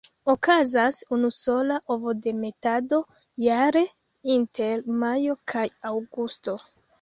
Okazas unusola ovodemetado jare, inter majo kaj aŭgusto.